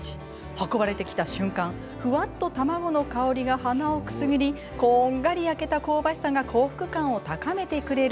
運ばれてきた瞬間ふわっと卵の香りが鼻をくすぐりこんがり焼けた香ばしさが幸福感を高めてくれる。